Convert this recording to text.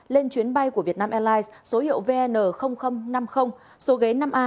lên chuyến bay của vietnam airlines số hiệu vn năm mươi số ghế năm a